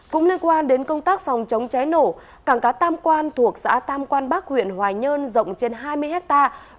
cảng cá tam quan thuộc xã tam quan bắc huyện hoài nhơn rộng trên hai mươi hectare